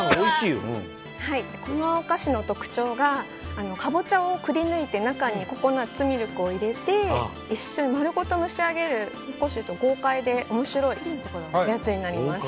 このお菓子の特徴がカボチャをくりぬいて中にココナツミルクを入れて丸ごと蒸し上げる豪快で面白いおやつになります。